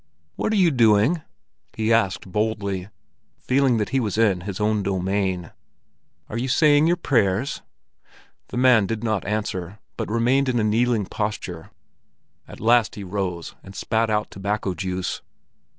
"What are you doing?" he asked boldly, feeling that he was in his own domain. "Are you saying your prayers?" The man did not answer, but remained in a kneeling posture. At last he rose, and spat out tobacco juice.